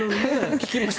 聞きました？